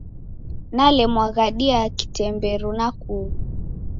Nelumwa ghadi ya kitemberu na kughu.